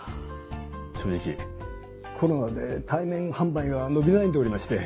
正直コロナで対面販売が伸び悩んでおりまして。